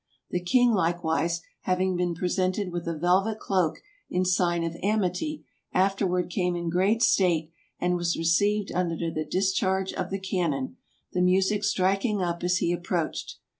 The king likewise, having been presented with a velvet cloak in sign of amity, afterward came in great state, and was received under the discharge of the cannon, the music strik THE EARLY EXPLORERS 45 ing up as he approached.